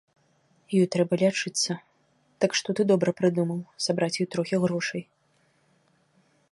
Ёй трэба лячыцца, так што ты добра прыдумаў сабраць ёй трохі грошай.